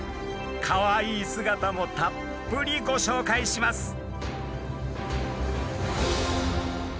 かわいい姿もたっぷりご紹介します。